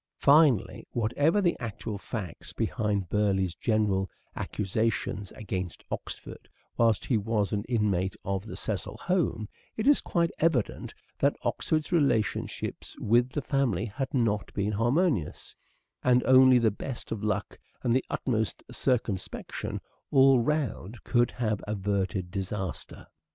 Finally, whatever the actual facts behind Burleigh's general accusations against Oxford whilst he was an inmate of the Cecil home, it is quite evident that Oxford's relationships with the family had not been harmonious, and only the best of luck and the utmost circumspection all round could have averted disaster.